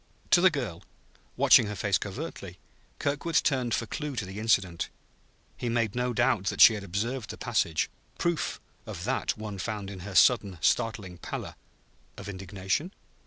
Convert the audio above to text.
To the girl, watching her face covertly, Kirkwood turned for clue to the incident. He made no doubt that she had observed the passage; proof of that one found in her sudden startling pallor (of indignation?)